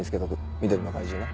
緑の怪獣な。